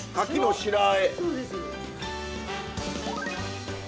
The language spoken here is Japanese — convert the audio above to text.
柿の白あえ。